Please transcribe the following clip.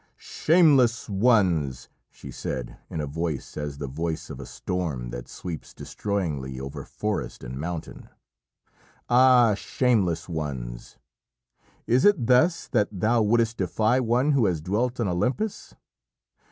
"Shameless ones!" she said, in a voice as the voice of a storm that sweeps destroyingly over forest and mountain. "Ah! shameless ones! Is it thus that thou wouldst defy one who has dwelt on Olympus?